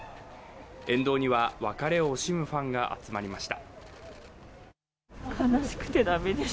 沿道には別れを惜しむファンが集まりました。